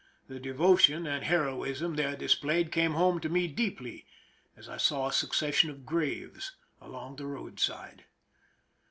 The devotion and heroism there displayed came home to me deeply as I saw a succession of graves along the roadside.